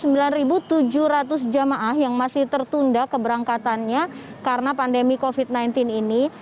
ada sembilan tujuh ratus jamaah yang masih tertunda keberangkatannya karena pandemi covid sembilan belas ini